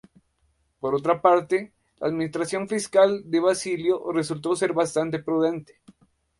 Por otra parte, la administración fiscal de Basilio resultó ser bastante prudente.